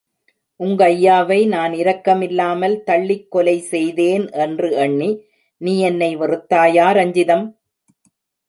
உங்கய்யாவை நான் இரக்கமில்லாமல் தள்ளிக் கொலை செய்தேன் என்று எண்ணி நீ என்னை வெறுத்தாயா, ரஞ்சிதம்?